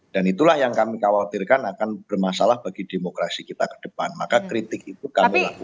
dan itulah yang kami khawatirkan akan bermasalah bagi demokrasi kita ke depan maka kritik itu kami lakukan